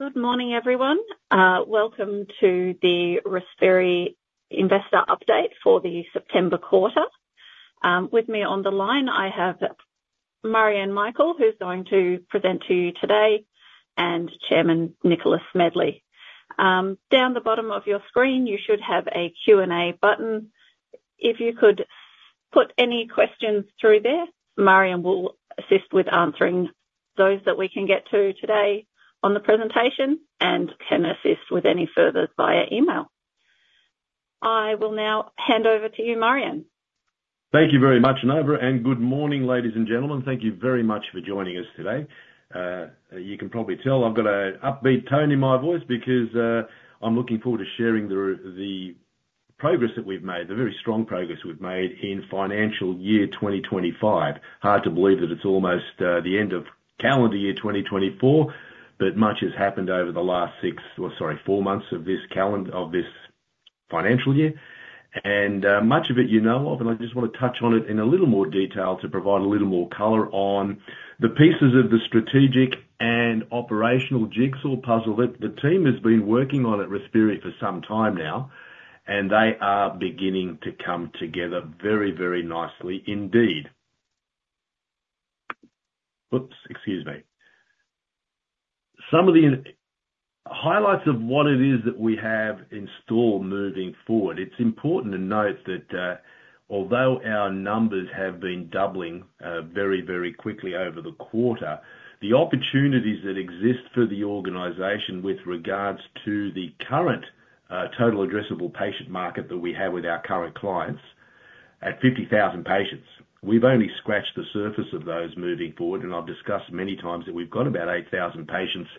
Good morning, everyone. Welcome to the Respiri Investor Update for the September quarter. With me on the line, I have Marjan Mikel, who's going to present to you today, and Chairman Nicholas Smedley. Down the bottom of your screen, you should have a Q&A button. If you could put any questions through there, Marjan will assist with answering those that we can get to today on the presentation and can assist with any further via email. I will now hand over to you, Marjan. Thank you very much, Nyree, and good morning, ladies and gentlemen. Thank you very much for joining us today. You can probably tell I've got an upbeat tone in my voice because I'm looking forward to sharing the progress that we've made, the very strong progress we've made in financial year 2025. Hard to believe that it's almost the end of calendar year 2024, but much has happened over the last six, or sorry, four months of this calendar, of this financial year. And much of it you know of, and I just want to touch on it in a little more detail to provide a little more color on the pieces of the strategic and operational jigsaw puzzle that the team has been working on at Respiri for some time now, and they are beginning to come together very, very nicely indeed. Oops, excuse me. Some of the highlights of what it is that we have in store moving forward. It's important to note that although our numbers have been doubling very, very quickly over the quarter, the opportunities that exist for the organization with regards to the current total addressable patient market that we have with our current clients at 50,000 patients. We've only scratched the surface of those moving forward, and I've discussed many times that we've got about 8,000 patients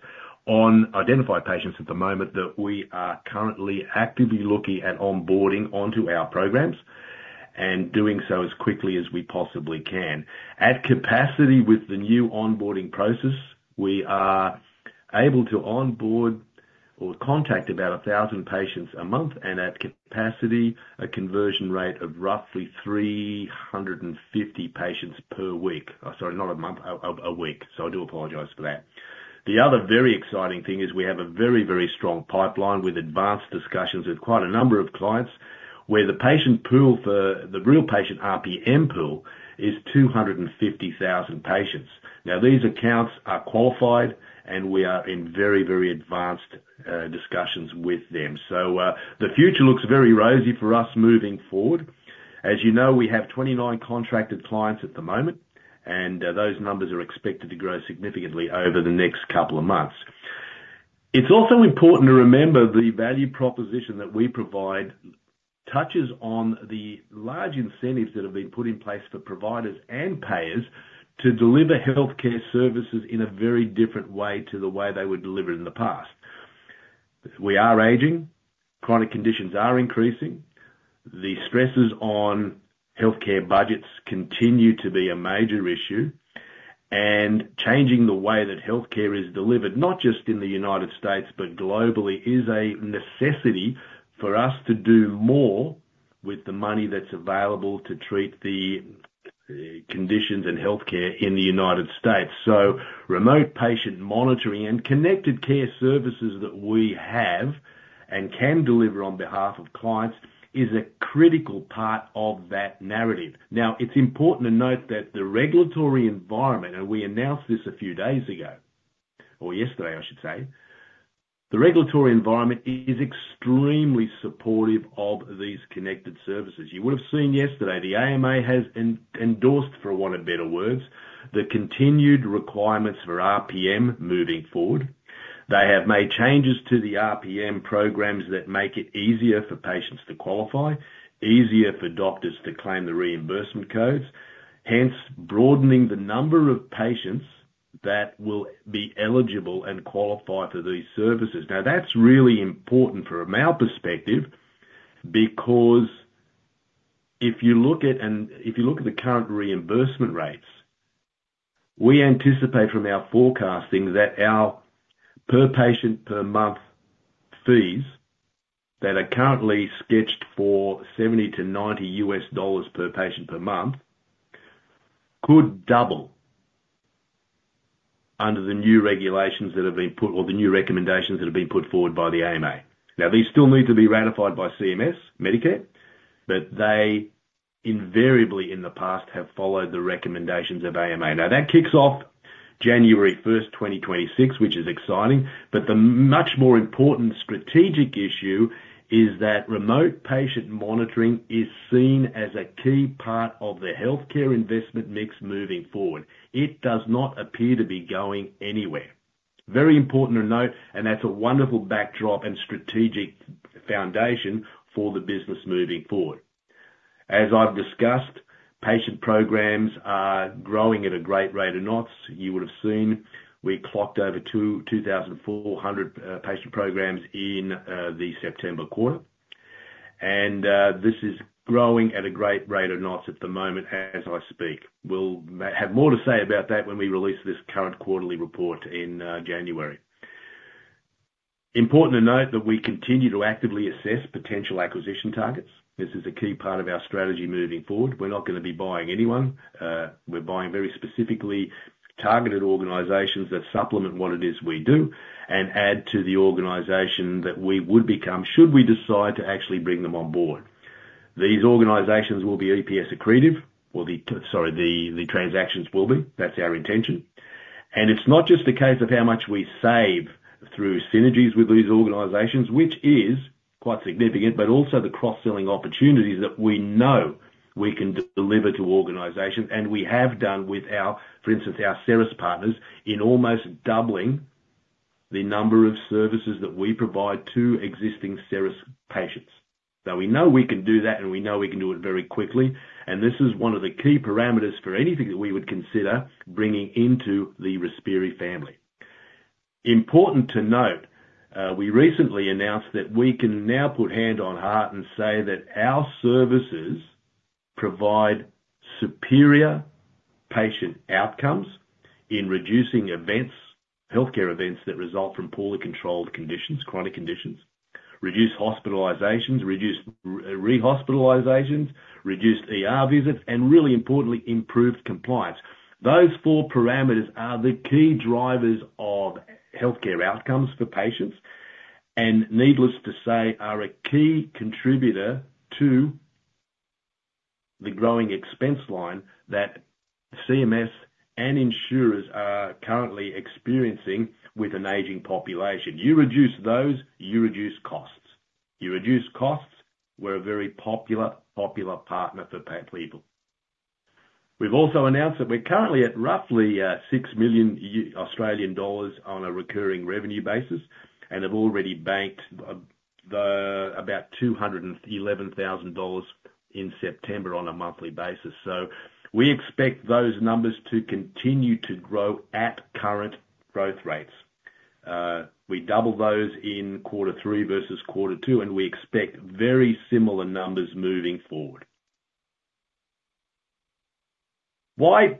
on identified patients at the moment that we are currently actively looking at onboarding onto our programs and doing so as quickly as we possibly can. At capacity with the new onboarding process, we are able to onboard or contact about 1,000 patients a month, and at capacity, a conversion rate of roughly 350 patients per week. Sorry, not a month, a week. So I do apologize for that. The other very exciting thing is we have a very, very strong pipeline with advanced discussions with quite a number of clients where the patient pool for the real patient RPM pool is 250,000 patients. Now, these accounts are qualified, and we are in very, very advanced discussions with them. So the future looks very rosy for us moving forward. As you know, we have 29 contracted clients at the moment, and those numbers are expected to grow significantly over the next couple of months. It's also important to remember the value proposition that we provide touches on the large incentives that have been put in place for providers and payers to deliver healthcare services in a very different way to the way they were delivered in the past. We are aging. Chronic conditions are increasing. The stresses on healthcare budgets continue to be a major issue, and changing the way that healthcare is delivered, not just in the United States, but globally, is a necessity for us to do more with the money that's available to treat the conditions and healthcare in the United States, so remote patient monitoring and connected care services that we have and can deliver on behalf of clients is a critical part of that narrative. Now, it's important to note that the regulatory environment, and we announced this a few days ago, or yesterday, I should say, the regulatory environment is extremely supportive of these connected services. You would have seen yesterday the AMA has endorsed, for want of better words, the continued requirements for RPM moving forward. They have made changes to the RPM programs that make it easier for patients to qualify, easier for doctors to claim the reimbursement codes, hence broadening the number of patients that will be eligible and qualify for these services. Now, that's really important from our perspective because if you look at the current reimbursement rates, we anticipate from our forecasting that our per patient per month fees that are currently sketched for $70-$90 per patient per month could double under the new regulations that have been put, or the new recommendations that have been put forward by the AMA. Now, these still need to be ratified by CMS, Medicare, but they invariably in the past have followed the recommendations of AMA. Now, that kicks off January 1st, 2026, which is exciting, but the much more important strategic issue is that remote patient monitoring is seen as a key part of the healthcare investment mix moving forward. It does not appear to be going anywhere. Very important to note, and that's a wonderful backdrop and strategic foundation for the business moving forward. As I've discussed, patient programs are growing at a great rate of knots. You would have seen we clocked over 2,400 patient programs in the September quarter, and this is growing at a great rate of knots at the moment as I speak. We'll have more to say about that when we release this current quarterly report in January. Important to note that we continue to actively assess potential acquisition targets. This is a key part of our strategy moving forward. We're not going to be buying anyone. We're buying very specifically targeted organizations that supplement what it is we do and add to the organization that we would become should we decide to actually bring them on board. These organizations will be EPS accretive, or the, sorry, the transactions will be. That's our intention, and it's not just a case of how much we save through synergies with these organizations, which is quite significant, but also the cross-selling opportunities that we know we can deliver to organizations, and we have done with our, for instance, our Ceras partners in almost doubling the number of services that we provide to existing Ceras patients. Now, we know we can do that, and we know we can do it very quickly, and this is one of the key parameters for anything that we would consider bringing into the Respiri family. Important to note, we recently announced that we can now put hand on heart and say that our services provide superior patient outcomes in reducing events, healthcare events that result from poorly controlled conditions, chronic conditions, reduced hospitalizations, reduced re-hospitalizations, reduced visits, and really importantly, improved compliance. Those four parameters are the key drivers of healthcare outcomes for patients and, needless to say, are a key contributor to the growing expense line that CMS and insurers are currently experiencing with an aging population. You reduce those, you reduce costs. You reduce costs. We're a very popular, popular partner for people. We've also announced that we're currently at roughly 6 million Australian dollars on a recurring revenue basis and have already banked about $211,000 in September on a monthly basis. So we expect those numbers to continue to grow at current growth rates. We double those in quarter three versus quarter two, and we expect very similar numbers moving forward. Why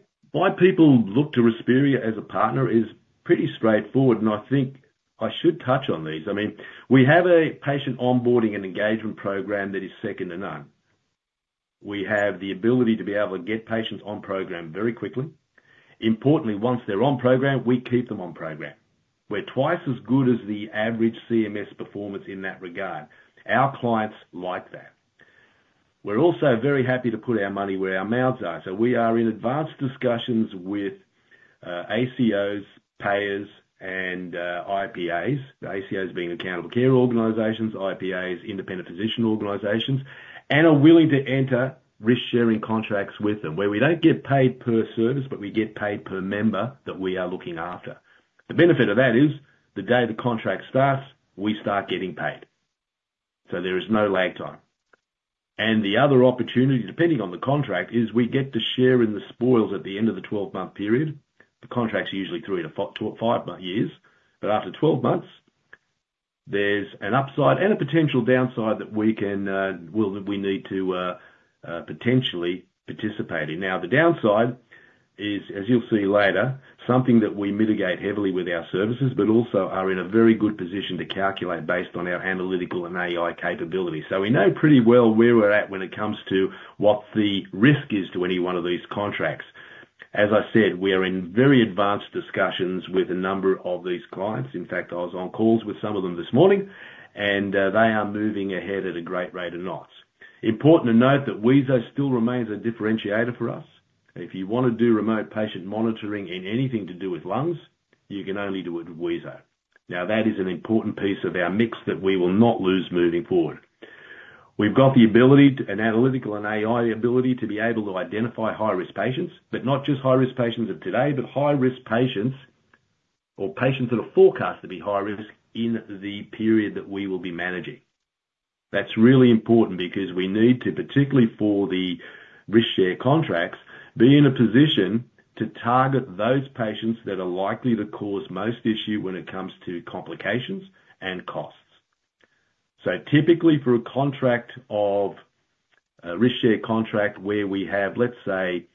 people look to Respiri as a partner is pretty straightforward, and I think I should touch on these. I mean, we have a patient onboarding and engagement program that is second to none. We have the ability to be able to get patients on program very quickly. Importantly, once they're on program, we keep them on program. We're twice as good as the average CMS performance in that regard. Our clients like that. We're also very happy to put our money where our mouths are. So we are in advanced discussions with ACOs, payers, and IPAs, ACOs being accountable care organizations, IPAs, independent physician associations, and are willing to enter risk-sharing contracts with them where we don't get paid per service, but we get paid per member that we are looking after. The benefit of that is the day the contract starts, we start getting paid. So there is no lag time. And the other opportunity, depending on the contract, is we get to share in the spoils at the end of the 12-month period. The contract's usually three to five years, but after 12 months, there's an upside and a potential downside that we need to potentially participate in. Now, the downside is, as you'll see later, something that we mitigate heavily with our services, but also are in a very good position to calculate based on our analytical and AI capability. So we know pretty well where we're at when it comes to what the risk is to any one of these contracts. As I said, we are in very advanced discussions with a number of these clients. In fact, I was on calls with some of them this morning, and they are moving ahead at a great rate of knots. Important to note that wheezo still remains a differentiator for us. If you want to do remote patient monitoring in anything to do with lungs, you can only do it with wheezo. Now, that is an important piece of our mix that we will not lose moving forward. We've got the ability, an analytical and AI ability to be able to identify high-risk patients, but not just high-risk patients of today, but high-risk patients or patients that are forecast to be high-risk in the period that we will be managing. That's really important because we need to, particularly for the risk-sharing contracts, be in a position to target those patients that are likely to cause most issue when it comes to complications and costs. Typically, for a contract of a risk-share contract where we have, let's say,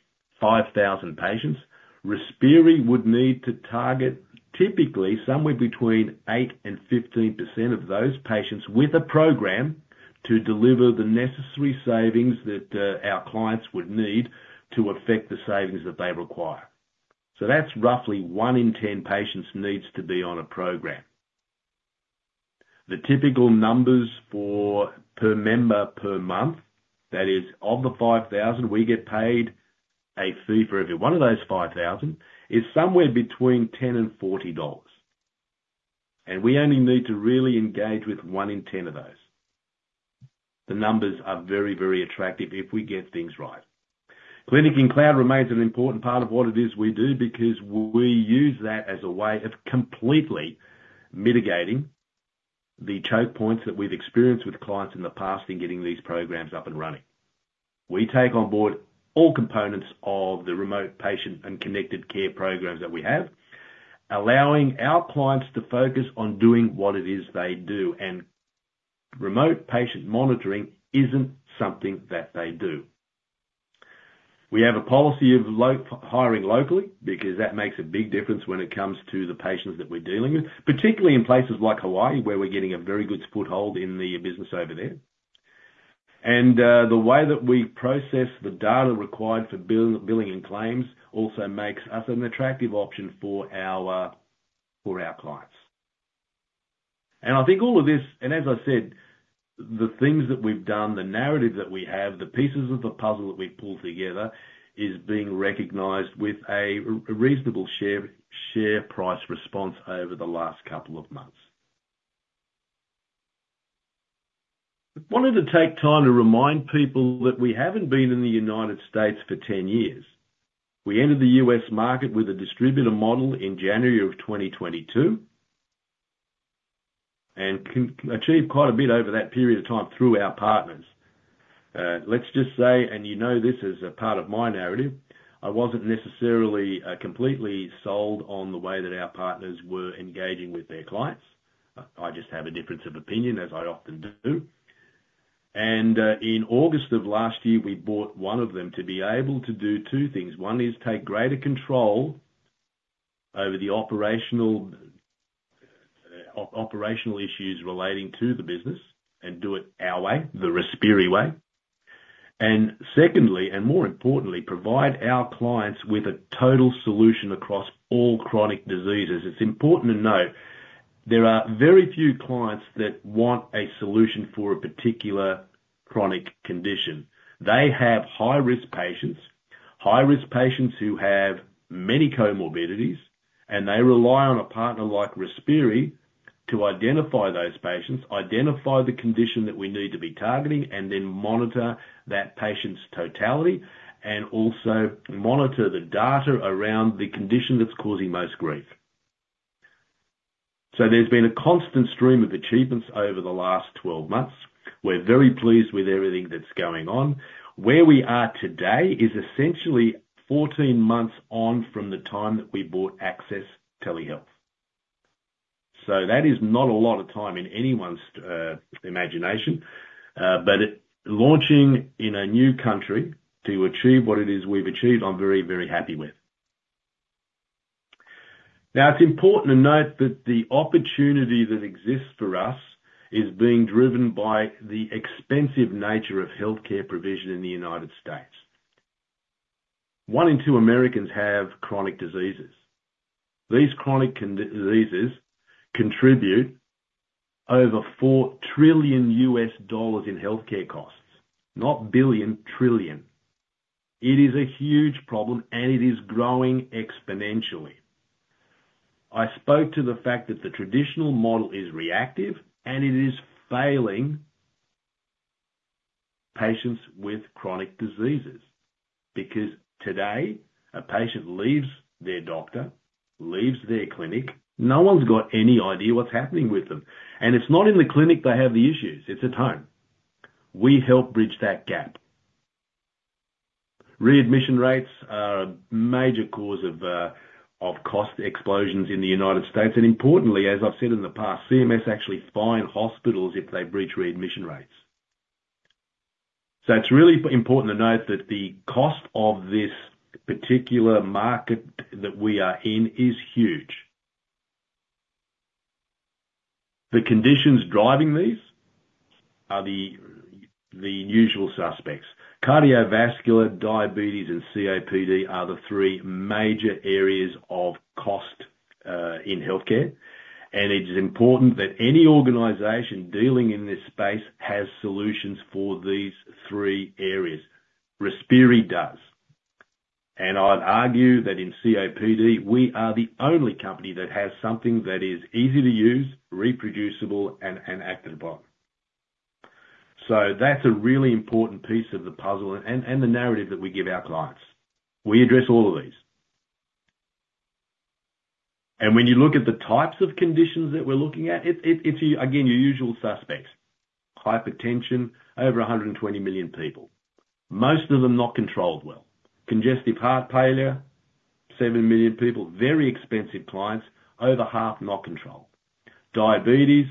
5,000 patients, Respiri would need to target typically somewhere between 8% and 15% of those patients with a program to deliver the necessary savings that our clients would need to affect the savings that they require. That's roughly one in ten patients needs to be on a program. The typical numbers for per member per month, that is, of the 5,000, we get paid a fee for every one of those 5,000 is somewhere between $10 and $40. We only need to really engage with one in ten of those. The numbers are very, very attractive if we get things right. Clinic in Cloud remains an important part of what it is we do because we use that as a way of completely mitigating the choke points that we've experienced with clients in the past in getting these programs up and running. We take on board all components of the remote patient and connected care programs that we have, allowing our clients to focus on doing what it is they do, and remote patient monitoring isn't something that they do. We have a policy of hiring locally because that makes a big difference when it comes to the patients that we're dealing with, particularly in places like Hawaii where we're getting a very good foothold in the business over there, and the way that we process the data required for billing and claims also makes us an attractive option for our clients. I think all of this, and as I said, the things that we've done, the narrative that we have, the pieces of the puzzle that we've pulled together is being recognized with a reasonable share price response over the last couple of months. I wanted to take time to remind people that we haven't been in the United States for 10 years. We entered the U.S. market with a distributor model in January of 2022 and achieved quite a bit over that period of time through our partners. Let's just say, and you know this as a part of my narrative, I wasn't necessarily completely sold on the way that our partners were engaging with their clients. I just have a difference of opinion, as I often do. In August of last year, we bought one of them to be able to do two things. One is take greater control over the operational issues relating to the business and do it our way, the Respiri way. And secondly, and more importantly, provide our clients with a total solution across all chronic diseases. It's important to note there are very few clients that want a solution for a particular chronic condition. They have high-risk patients, high-risk patients who have many comorbidities, and they rely on a partner like Respiri to identify those patients, identify the condition that we need to be targeting, and then monitor that patient's totality and also monitor the data around the condition that's causing most grief. So there's been a constant stream of achievements over the last 12 months. We're very pleased with everything that's going on. Where we are today is essentially 14 months on from the time that we bought Access Telehealth. So that is not a lot of time in anyone's imagination, but launching in a new country to achieve what it is we've achieved, I'm very, very happy with. Now, it's important to note that the opportunity that exists for us is being driven by the expensive nature of healthcare provision in the United States. One in two Americans have chronic diseases. These chronic diseases contribute over $4 trillion in healthcare costs, not billion, trillion. It is a huge problem, and it is growing exponentially. I spoke to the fact that the traditional model is reactive, and it is failing patients with chronic diseases because today a patient leaves their doctor, leaves their clinic, no one's got any idea what's happening with them. And it's not in the clinic they have the issues. It's at home. We help bridge that gap. Readmission rates are a major cause of cost explosions in the United States, and importantly, as I've said in the past, CMS actually fines hospitals if they breach readmission rates. So it's really important to note that the cost of this particular market that we are in is huge, the conditions driving these are the usual suspects. Cardiovascular, diabetes, and COPD are the three major areas of cost in healthcare, and it is important that any organization dealing in this space has solutions for these three areas. Respiri does, and I'd argue that in COPD, we are the only company that has something that is easy to use, reproducible, and acted upon. So that's a really important piece of the puzzle and the narrative that we give our clients. We address all of these. When you look at the types of conditions that we're looking at, it's again your usual suspects. Hypertension, over 120 million people. Most of them not controlled well. Congestive heart failure, 7 million people, very expensive clients, over half not controlled. Diabetes,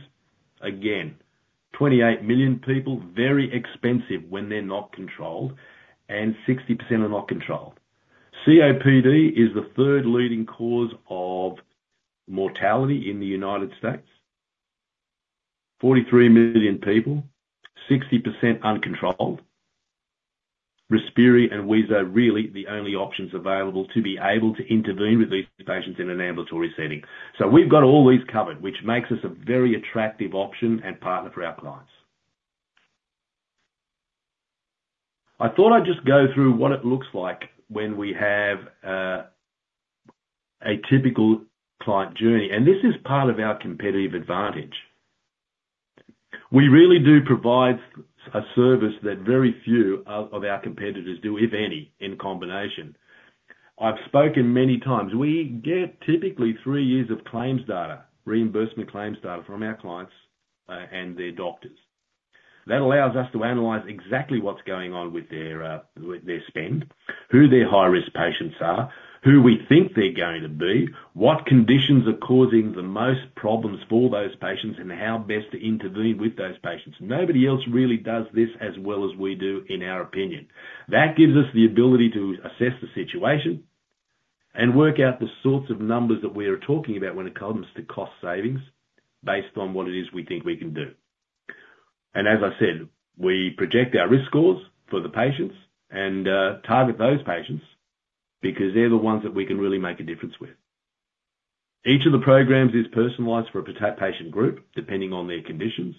again, 28 million people, very expensive when they're not controlled, and 60% are not controlled. COPD is the third leading cause of mortality in the United States. 43 million people, 60% uncontrolled. Respiri and wheezo are really the only options available to be able to intervene with these patients in an ambulatory setting. So we've got all these covered, which makes us a very attractive option and partner for our clients. I thought I'd just go through what it looks like when we have a typical client journey. This is part of our competitive advantage. We really do provide a service that very few of our competitors do, if any, in combination. I've spoken many times. We get typically three years of claims data, reimbursement claims data from our clients and their doctors. That allows us to analyze exactly what's going on with their spend, who their high-risk patients are, who we think they're going to be, what conditions are causing the most problems for those patients, and how best to intervene with those patients. Nobody else really does this as well as we do, in our opinion. That gives us the ability to assess the situation and work out the sorts of numbers that we are talking about when it comes to cost savings based on what it is we think we can do. As I said, we project our risk scores for the patients and target those patients because they're the ones that we can really make a difference with. Each of the programs is personalized for a patient group depending on their conditions.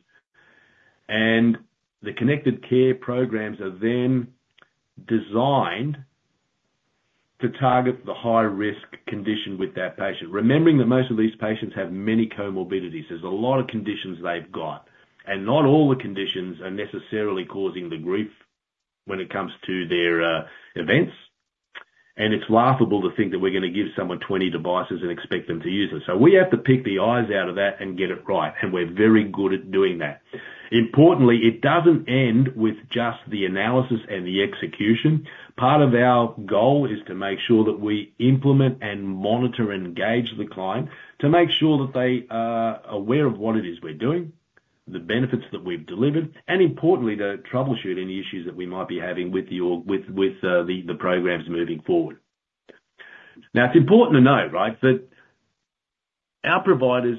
The connected care programs are then designed to target the high-risk condition with that patient. Remembering that most of these patients have many comorbidities. There's a lot of conditions they've got. Not all the conditions are necessarily causing the grief when it comes to their events. It's laughable to think that we're going to give someone 20 devices and expect them to use them. We have to pick the eyes out of that and get it right. We're very good at doing that. Importantly, it doesn't end with just the analysis and the execution. Part of our goal is to make sure that we implement and monitor and engage the client to make sure that they are aware of what it is we're doing, the benefits that we've delivered, and importantly, to troubleshoot any issues that we might be having with the programs moving forward. Now, it's important to note, right, that our providers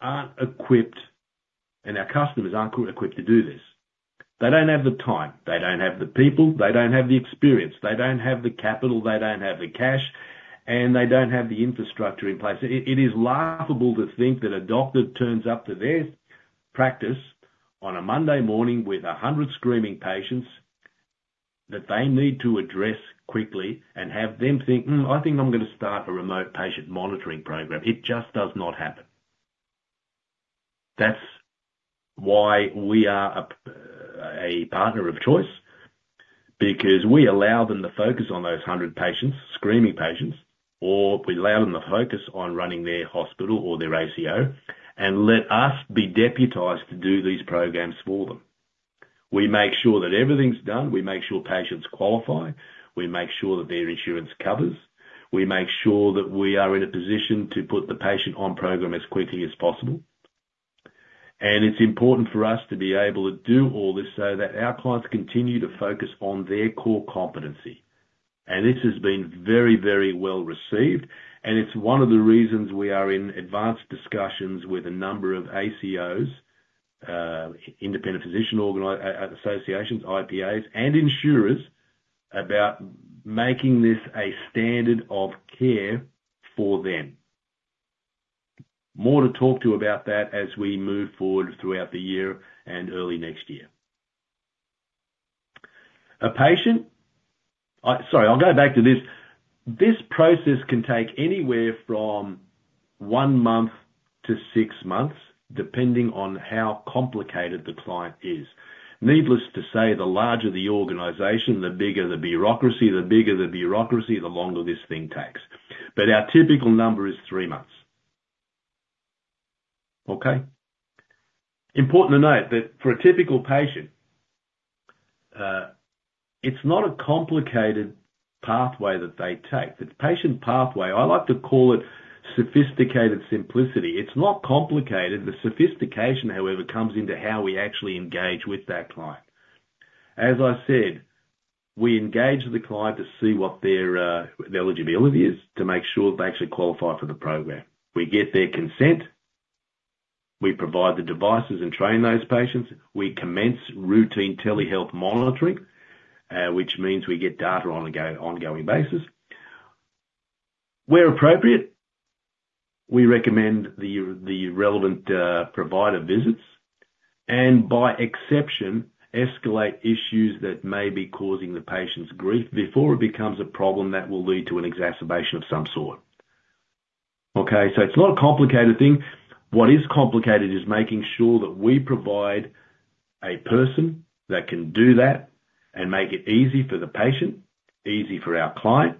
aren't equipped, and our customers aren't equipped to do this. They don't have the time. They don't have the people. They don't have the experience. They don't have the capital. They don't have the cash. And they don't have the infrastructure in place. It is laughable to think that a doctor turns up to their practice on a Monday morning with 100 screaming patients that they need to address quickly and have them think, "I think I'm going to start a remote patient monitoring program." It just does not happen. That's why we are a partner of choice because we allow them to focus on those 100 patients, screaming patients, or we allow them to focus on running their hospital or their ACO and let us be deputized to do these programs for them. We make sure that everything's done. We make sure patients qualify. We make sure that their insurance covers. We make sure that we are in a position to put the patient on program as quickly as possible. And it's important for us to be able to do all this so that our clients continue to focus on their core competency. And this has been very, very well received. And it's one of the reasons we are in advanced discussions with a number of ACOs, independent physician associations, IPAs, and insurers about making this a standard of care for them. More to talk to about that as we move forward throughout the year and early next year. A patient - sorry, I'll go back to this. This process can take anywhere from one month to six months, depending on how complicated the client is. Needless to say, the larger the organization, the bigger the bureaucracy, the bigger the bureaucracy, the longer this thing takes. But our typical number is three months. Okay? Important to note that for a typical patient, it's not a complicated pathway that they take. The patient pathway, I like to call it sophisticated simplicity. It's not complicated. The sophistication, however, comes into how we actually engage with that client. As I said, we engage the client to see what their eligibility is, to make sure they actually qualify for the program. We get their consent. We provide the devices and train those patients. We commence routine telehealth monitoring, which means we get data on an ongoing basis. Where appropriate, we recommend the relevant provider visits and, by exception, escalate issues that may be causing the patient's grief before it becomes a problem that will lead to an exacerbation of some sort. Okay? So it's not a complicated thing. What is complicated is making sure that we provide a person that can do that and make it easy for the patient, easy for our client,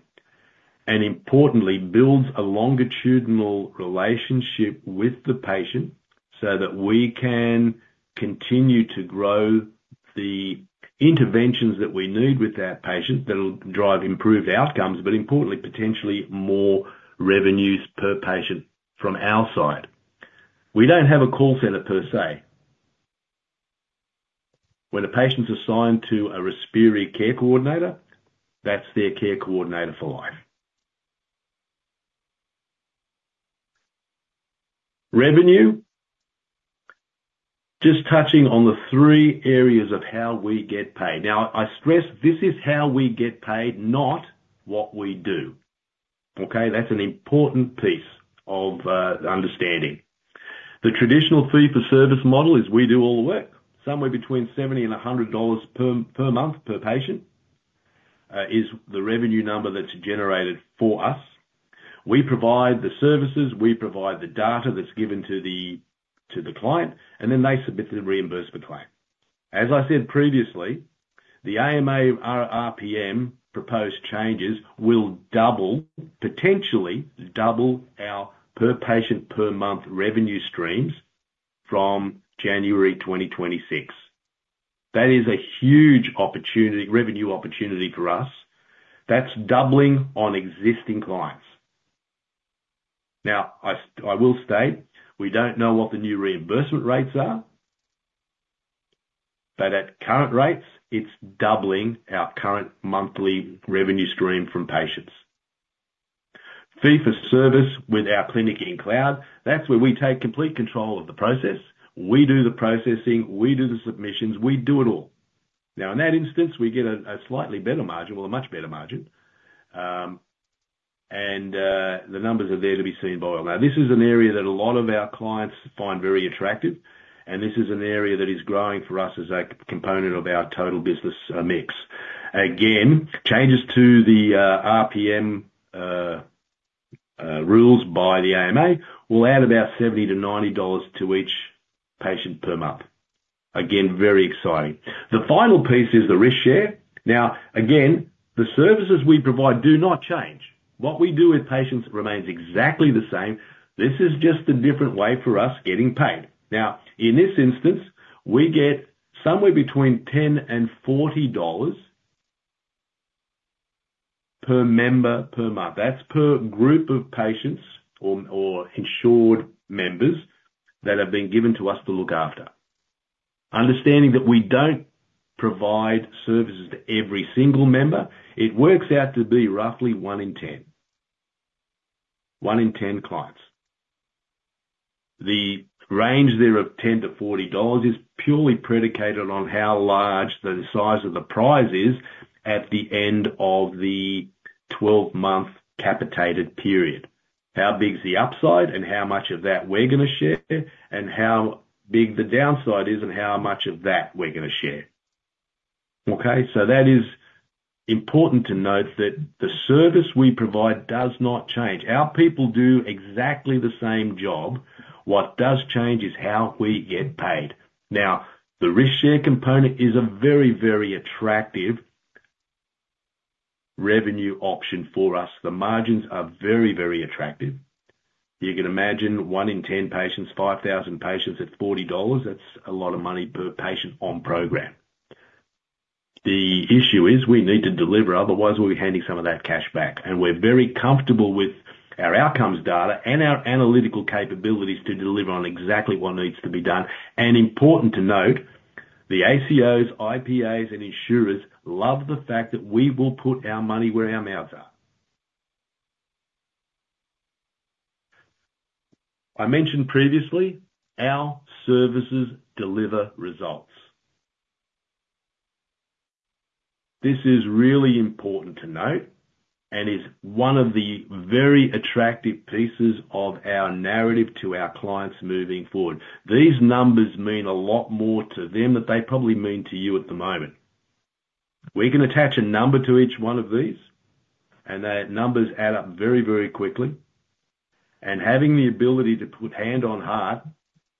and importantly, builds a longitudinal relationship with the patient so that we can continue to grow the interventions that we need with that patient that will drive improved outcomes, but importantly, potentially more revenues per patient from our side. We don't have a call center per se. When a patient's assigned to a Respiri care coordinator, that's their care coordinator for life. Revenue, just touching on the three areas of how we get paid. Now, I stress this is how we get paid, not what we do. Okay? That's an important piece of understanding. The traditional fee-for-service model is we do all the work. Somewhere between $70-$100 per month per patient is the revenue number that's generated for us. We provide the services. We provide the data that's given to the client, and then they submit the reimbursement claim. As I said previously, the AMA RPM proposed changes will potentially double our per patient per month revenue streams from January 2026. That is a huge revenue opportunity for us. That's doubling on existing clients. Now, I will state we don't know what the new reimbursement rates are, but at current rates, it's doubling our current monthly revenue stream from patients. Fee-for-service with our Clinic in Cloud, that's where we take complete control of the process. We do the processing. We do the submissions. We do it all. Now, in that instance, we get a slightly better margin, well, a much better margin, and the numbers are there to be seen by all. Now, this is an area that a lot of our clients find very attractive, and this is an area that is growing for us as a component of our total business mix. Again, changes to the RPM rules by the AMA will add about $70-$90 to each patient per month. Again, very exciting. The final piece is the risk share. Now, again, the services we provide do not change. What we do with patients remains exactly the same. This is just a different way for us getting paid. Now, in this instance, we get somewhere between $10 and $40 per member per month. That's per group of patients or insured members that have been given to us to look after. Understanding that we don't provide services to every single member, it works out to be roughly one in 10. One in 10 clients. The range there of $10-$40 is purely predicated on how large the size of the prize is at the end of the 12-month capitated period. How big is the upside and how much of that we're going to share and how big the downside is and how much of that we're going to share. Okay? So that is important to note that the service we provide does not change. Our people do exactly the same job. What does change is how we get paid. Now, the risk share component is a very, very attractive revenue option for us. The margins are very, very attractive. You can imagine one in 10 patients, 5,000 patients at $40. That's a lot of money per patient on program. The issue is we need to deliver. Otherwise, we'll be handing some of that cash back, and we're very comfortable with our outcomes data and our analytical capabilities to deliver on exactly what needs to be done, and important to note, the ACOs, IPAs, and insurers love the fact that we will put our money where our mouths are. I mentioned previously our services deliver results. This is really important to note and is one of the very attractive pieces of our narrative to our clients moving forward. These numbers mean a lot more to them than they probably mean to you at the moment. We can attach a number to each one of these, and the numbers add up very, very quickly. And having the ability to put hand on heart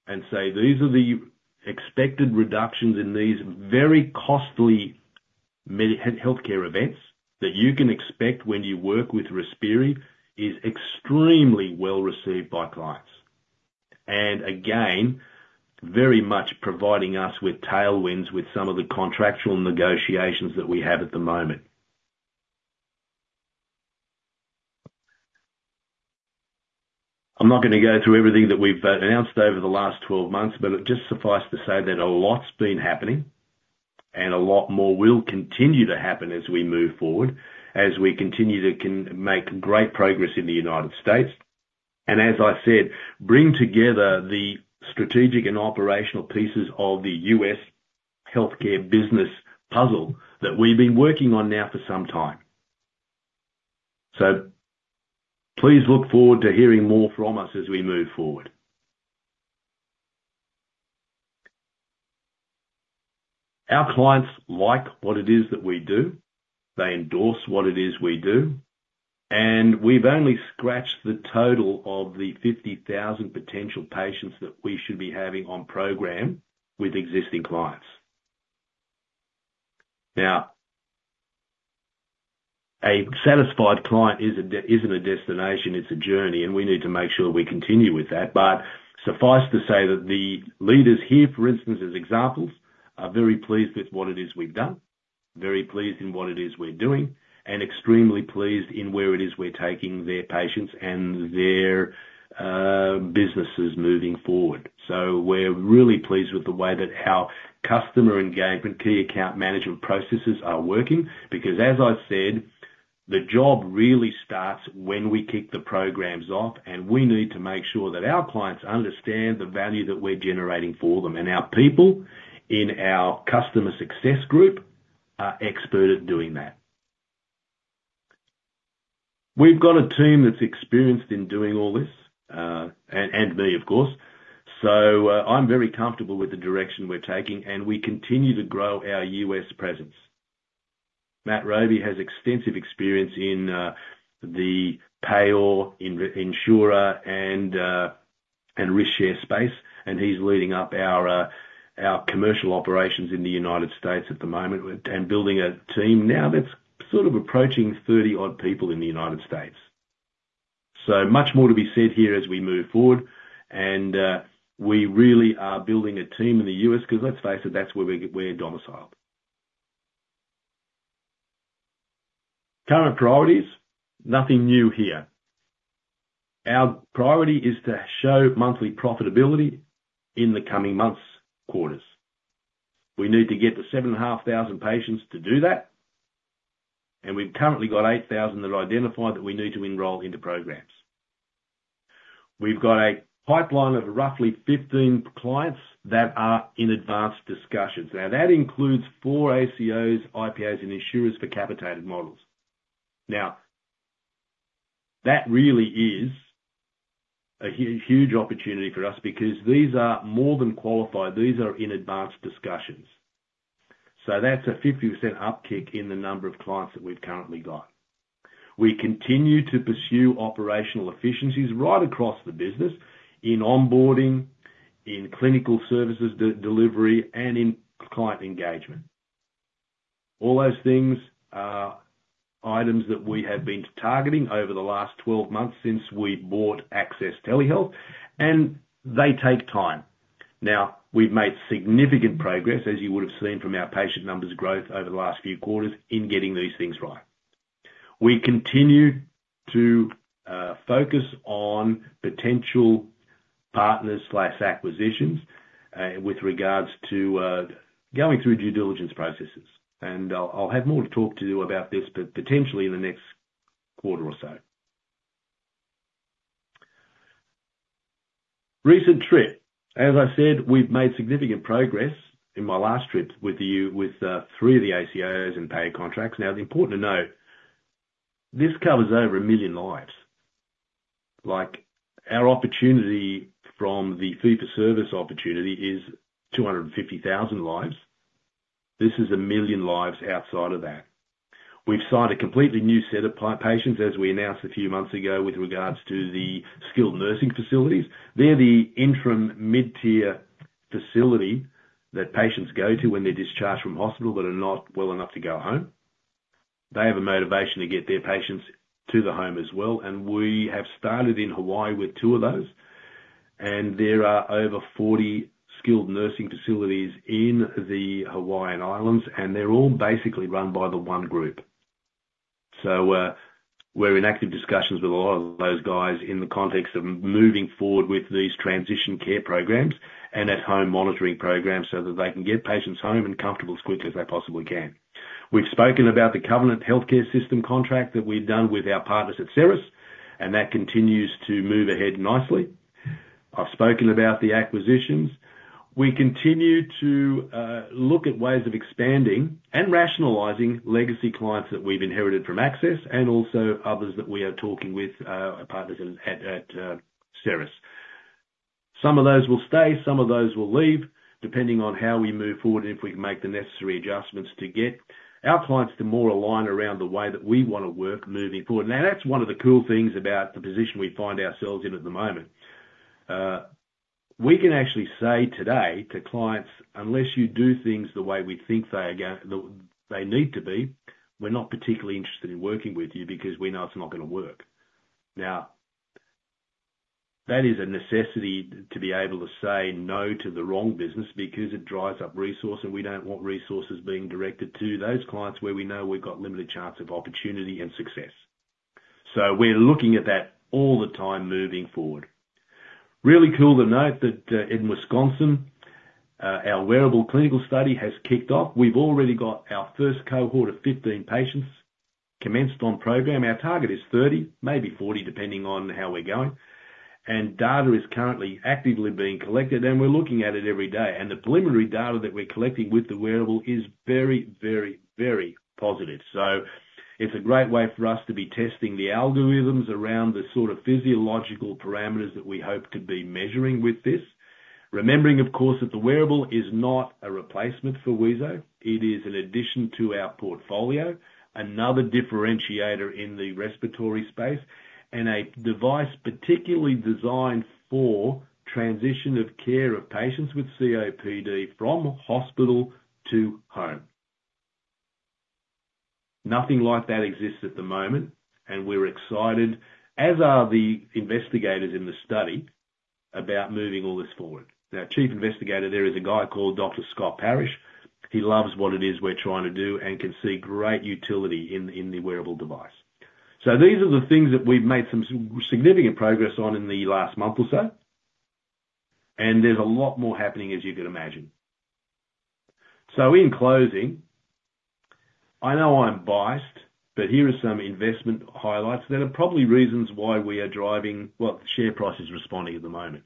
and say, "These are the expected reductions in these very costly healthcare events that you can expect when you work with Respiri," is extremely well received by clients. And again, very much providing us with tailwinds with some of the contractual negotiations that we have at the moment. I'm not going to go through everything that we've announced over the last 12 months, but it just suffices to say that a lot's been happening and a lot more will continue to happen as we move forward, as we continue to make great progress in the United States. And as I said, bring together the strategic and operational pieces of the U.S. healthcare business puzzle that we've been working on now for some time. So please look forward to hearing more from us as we move forward. Our clients like what it is that we do. They endorse what it is we do. And we've only scratched the total of the 50,000 potential patients that we should be having on program with existing clients. Now, a satisfied client isn't a destination. It's a journey. And we need to make sure we continue with that. But suffice to say that the leaders here, for instance, as examples, are very pleased with what it is we've done, very pleased in what it is we're doing, and extremely pleased in where it is we're taking their patients and their businesses moving forward. So we're really pleased with the way that our customer engagement, key account management processes are working because, as I said, the job really starts when we kick the programs off. We need to make sure that our clients understand the value that we're generating for them. Our people in our customer success group are expert at doing that. We've got a team that's experienced in doing all this, and me, of course. I'm very comfortable with the direction we're taking. We continue to grow our U.S. presence. Matt Roby has extensive experience in the payor, insurer, and risk share space. He's leading up our commercial operations in the United States at the moment and building a team now that's sort of approaching 30-odd people in the United States. Much more to be said here as we move forward. We really are building a team in the U.S. because let's face it, that's where we're domiciled. Current priorities, nothing new here. Our priority is to show monthly profitability in the coming months' quarters. We need to get the 7,500 patients to do that. We've currently got 8,000 that are identified that we need to enroll into programs. We've got a pipeline of roughly 15 clients that are in advanced discussions. That includes four ACOs, IPAs, and insurers for capitated models. That really is a huge opportunity for us because these are more than qualified. These are in advanced discussions. That's a 50% uptick in the number of clients that we've currently got. We continue to pursue operational efficiencies right across the business in onboarding, in clinical services delivery, and in client engagement. All those things are items that we have been targeting over the last 12 months since we bought Access Telehealth. They take time. Now, we've made significant progress, as you would have seen from our patient numbers growth over the last few quarters, in getting these things right. We continue to focus on potential partners/acquisitions with regards to going through due diligence processes, and I'll have more to talk to you about this, but potentially in the next quarter or so. Recent trip. As I said, we've made significant progress in my last trip with three of the ACOs and payer contracts. Now, it's important to note this covers over a million lives. Our opportunity from the fee-for-service opportunity is 250,000 lives. This is a million lives outside of that. We've signed a completely new set of patients, as we announced a few months ago, with regards to the skilled nursing facilities. They're the interim mid-tier facility that patients go to when they're discharged from hospital but are not well enough to go home. They have a motivation to get their patients to the home as well. And we have started in Hawaii with two of those. And there are over 40 skilled nursing facilities in the Hawaiian Islands. And they're all basically run by the one group. So we're in active discussions with a lot of those guys in the context of moving forward with these transition care programs and at-home monitoring programs so that they can get patients home and comfortable as quickly as they possibly can. We've spoken about the Covenant HealthCare System contract that we've done with our partners at Ceras, and that continues to move ahead nicely. I've spoken about the acquisitions. We continue to look at ways of expanding and rationalizing legacy clients that we've inherited from Access and also others that we are talking with our partners at Ceras. Some of those will stay. Some of those will leave, depending on how we move forward and if we can make the necessary adjustments to get our clients to more align around the way that we want to work moving forward. Now, that's one of the cool things about the position we find ourselves in at the moment. We can actually say today to clients, "Unless you do things the way we think they need to be, we're not particularly interested in working with you because we know it's not going to work." Now, that is a necessity to be able to say no to the wrong business because it dries up resource, and we don't want resources being directed to those clients where we know we've got limited chance of opportunity and success. So we're looking at that all the time moving forward. Really cool to note that in Wisconsin, our wearable clinical study has kicked off. We've already got our first cohort of 15 patients commenced on program. Our target is 30, maybe 40, depending on how we're going, and data is currently actively being collected, and we're looking at it every day. And the preliminary data that we're collecting with the wearable is very, very, very positive. So it's a great way for us to be testing the algorithms around the sort of physiological parameters that we hope to be measuring with this. Remembering, of course, that the wearable is not a replacement for wheezo. It is an addition to our portfolio, another differentiator in the respiratory space, and a device particularly designed for transition of care of patients with COPD from hospital to home. Nothing like that exists at the moment. And we're excited, as are the investigators in the study, about moving all this forward. Now, Chief Investigator there is a guy called Dr. Scott Parrish. He loves what it is we're trying to do and can see great utility in the wearable device. These are the things that we've made some significant progress on in the last month or so. There's a lot more happening, as you can imagine. In closing, I know I'm biased, but here are some investment highlights that are probably reasons why we are driving what the share price is responding at the moment.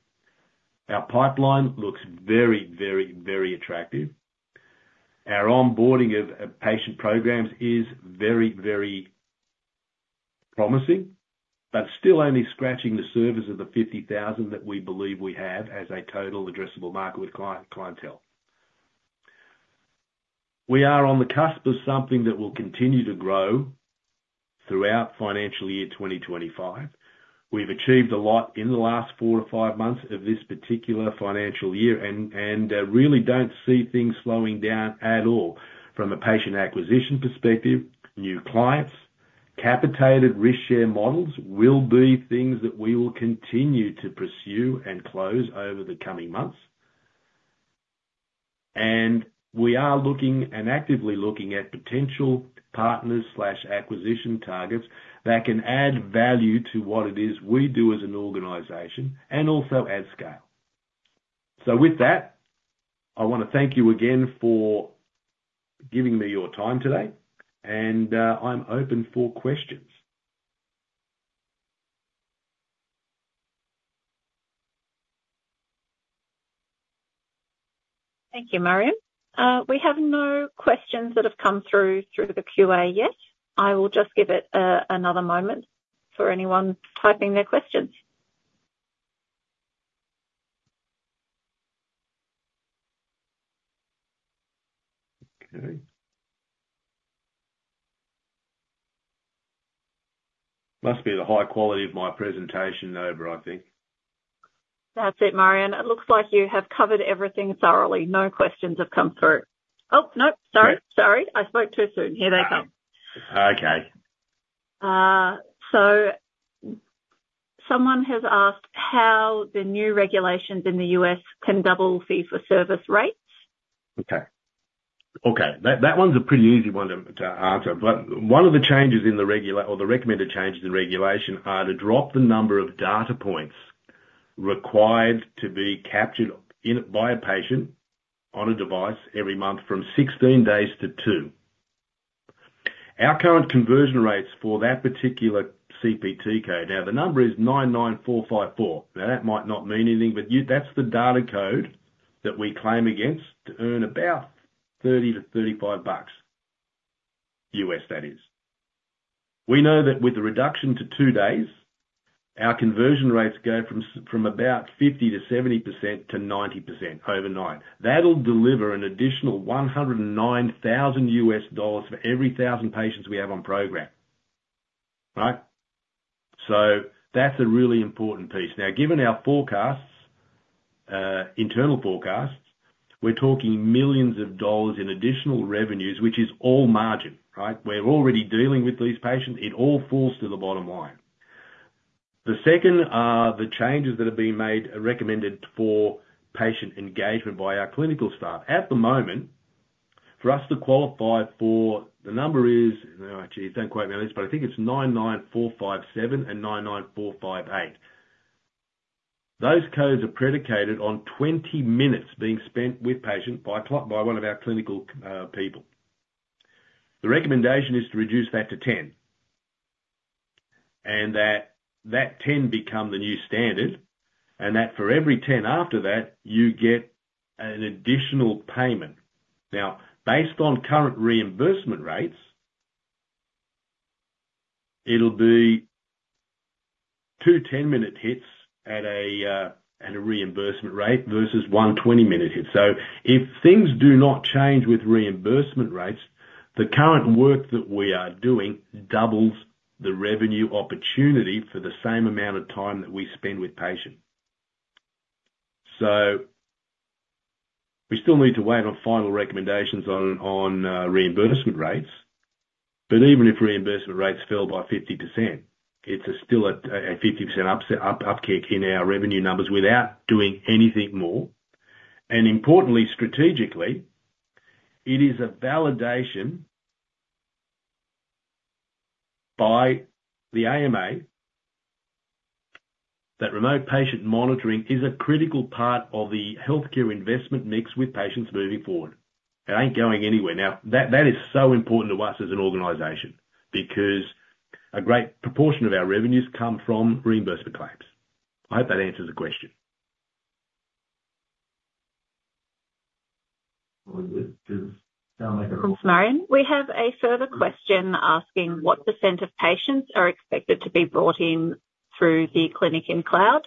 Our pipeline looks very, very, very attractive. Our onboarding of patient programs is very, very promising, but still only scratching the surface of the 50,000 that we believe we have as a total addressable market with clientele. We are on the cusp of something that will continue to grow throughout financial year 2025. We've achieved a lot in the last four to five months of this particular financial year and really don't see things slowing down at all. From a patient acquisition perspective, new clients, capitated risk share models will be things that we will continue to pursue and close over the coming months. And we are looking and actively looking at potential partners/acquisition targets that can add value to what it is we do as an organization and also at scale. So with that, I want to thank you again for giving me your time today. And I'm open for questions. Thank you, Marjan. We have no questions that have come through the QA yet. I will just give it another moment for anyone typing their questions. Okay. Must be the high quality of my presentation over, I think. That's it, Marjan. And it looks like you have covered everything thoroughly. No questions have come through. Oh, no. Sorry. Sorry. I spoke too soon. Here they come. Okay. Someone has asked how the new regulations in the U.S. can double fee-for-service rates. Okay. Okay. That one's a pretty easy one to answer. But one of the changes in the regular or the recommended changes in regulation are to drop the number of data points required to be captured by a patient on a device every month from 16 days to 2. Our current conversion rates for that particular CPT code now, the number is 99454. Now, that might not mean anything, but that's the data code that we claim against to earn about $30-$35, that is. We know that with the reduction to 2 days, our conversion rates go from about 50%-70% to 90% overnight. That'll deliver an additional $109,000 for every 1,000 patients we have on program. Right? So that's a really important piece. Now, given our forecasts, internal forecasts, we're talking millions of dollars in additional revenues, which is all margin. Right? We're already dealing with these patients. It all falls to the bottom line. The second are the changes that have been made recommended for patient engagement by our clinical staff. At the moment, for us to qualify for the number is actually, don't quote me on this, but I think it's 99457 and 99458. Those codes are predicated on 20 minutes being spent with patients by one of our clinical people. The recommendation is to reduce that to 10 and that 10 become the new standard and that for every 10 after that, you get an additional payment. Now, based on current reimbursement rates, it'll be two 10-minute hits at a reimbursement rate versus one 20-minute hit. So if things do not change with reimbursement rates, the current work that we are doing doubles the revenue opportunity for the same amount of time that we spend with patients. So we still need to wait on final recommendations on reimbursement rates. But even if reimbursement rates fell by 50%, it's still a 50% upkick in our revenue numbers without doing anything more. And importantly, strategically, it is a validation by the AMA that remote patient monitoring is a critical part of the healthcare investment mix with patients moving forward. It ain't going anywhere. Now, that is so important to us as an organization because a great proportion of our revenues come from reimbursement claims. I hope that answers the question. Thanks, Mario. Thanks, Marjan. We have a further question asking what % of patients are expected to be brought in through the Clinic in Cloud?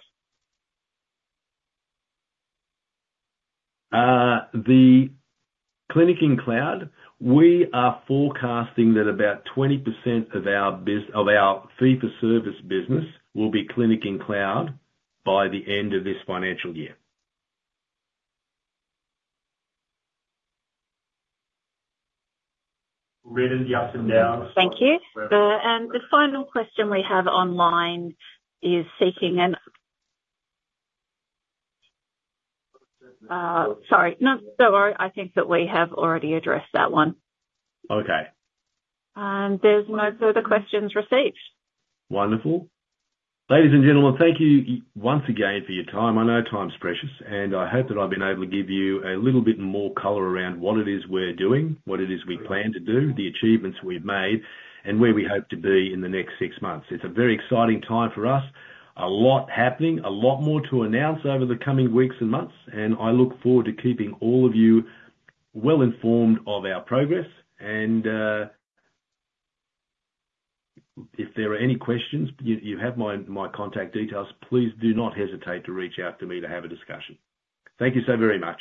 Clinic in Cloud, we are forecasting that about 20% of our fee-for-service business will be Clinic in Cloud by the end of this financial year. Read it yes and no. Thank you. And the final question we have online is seeking an—sorry. No, sorry. I think that we have already addressed that one. Okay. There's no further questions received. Wonderful. Ladies and gentlemen, thank you once again for your time. I know time's precious, and I hope that I've been able to give you a little bit more color around what it is we're doing, what it is we plan to do, the achievements we've made, and where we hope to be in the next six months. It's a very exciting time for us, a lot happening, a lot more to announce over the coming weeks and months. And I look forward to keeping all of you well informed of our progress. And if there are any questions, you have my contact details. Please do not hesitate to reach out to me to have a discussion. Thank you so very much.